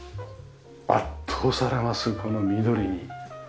圧倒されますこの緑に。